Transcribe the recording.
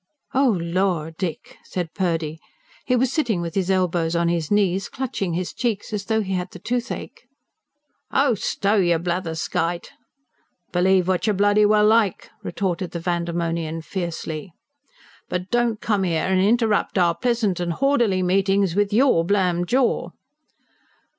("Oh lor, Dick!" said Purdy. He was sitting with his elbows on his knees, clutching his cheeks as though he had the toothache.) "Oh, stow yer blatherskite!" "Believe what yer bloody well like!" retorted the Vandemonian fiercely. "But don't come 'ere and interrupt our pleasant and h'orderly meetings with YOUR blamed jaw."